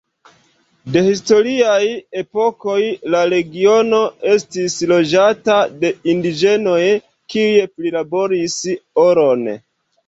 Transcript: De historiaj epokoj la regiono estis loĝata de indiĝenoj kiuj prilaboris oron.